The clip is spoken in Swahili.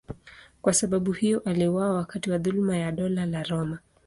Kwa sababu hiyo aliuawa wakati wa dhuluma ya Dola la Roma.